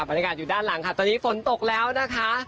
บรรยากาศอยู่ด้านหลังค่ะตอนนี้ฝนตกแล้วนะคะ